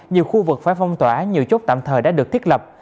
nhiều khu vực phải phong tỏa nhiều chốt tạm thời đã được thiết lập